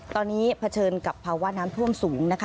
ตอนนี้เผชิญกับภาวะน้ำท่วมสูงนะคะ